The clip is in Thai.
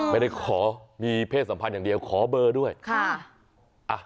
ไม่ได้ขอมีเพศสัมพันธ์อย่างเดียวขอเบอร์ด้วยค่ะ